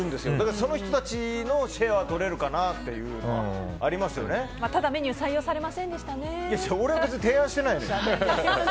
その人たちのシェアはとれるかなというのはただ、メニューは俺は別に提案してないのよ。